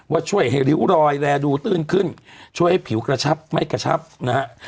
ช่วยให้ริ้วรอยแรดูตื้นขึ้นช่วยให้ผิวกระชับไม่กระชับนะฮะ